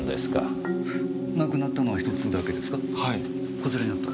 こちらにあった？